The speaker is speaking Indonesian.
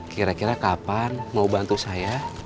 kira kira kapan mau bantu saya